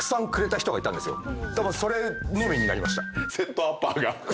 それのみになりました。